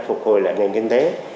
phục hồi lại nền kinh tế